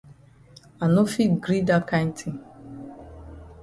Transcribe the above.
I no fit gree dat kind tin.